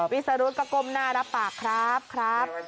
วิสรุธก็ก้มหน้ารับปากครับครับ